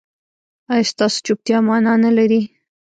ایا ستاسو چوپتیا معنی نلري؟